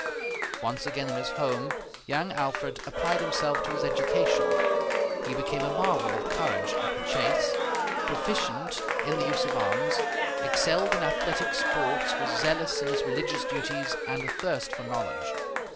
Once again in his home, young Alfred applied himself to his education. He became a marvel of courage at the chase, proficient in the use of arms, excelled in athletic sports, was zealous in his religious duties, and athirst for knowledge.